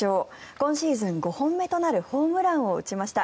今シーズン５本目となるホームランを打ちました。